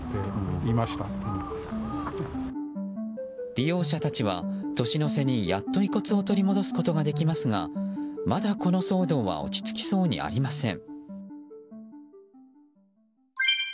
利用者たちは年の瀬に、やっと遺骨を取り戻すことができますがまだ、この騒動は落ち着きそうにありません。